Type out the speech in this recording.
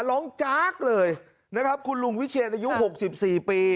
จากเลยนะครับคุณลุงวิเชียนอายุ๖๔ปี